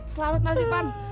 selamat masih pan